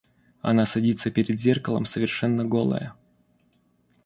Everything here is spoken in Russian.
Она садится перед зеркалом совершенно голая...